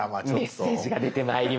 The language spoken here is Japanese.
メッセージが出てまいりました。